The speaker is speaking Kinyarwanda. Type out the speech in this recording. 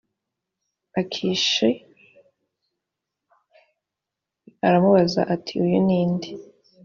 akishi aramubaza ati uyu ninde